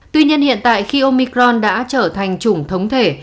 tuy nhiên hiện tại khi omicron đã trở thành chủng thống thể